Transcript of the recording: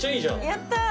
やったー！